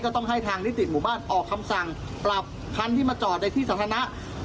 ต้องให้ทางนิติหมู่บ้านออกคำสั่งปรับคันที่มาจอดในที่สาธารณะ